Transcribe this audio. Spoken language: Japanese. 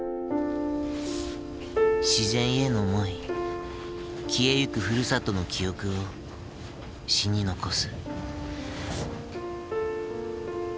自然への思い消えゆくふるさとの記憶を詩に残す。